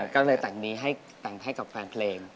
ก็เลยแต่งนี้ให้กับแฟนเพลง